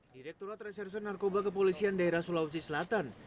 direkturat reserse narkoba kepolisian daerah sulawesi selatan